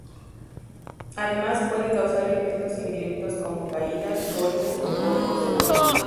Además puede causar efectos indirectos como caídas, golpes o cortes.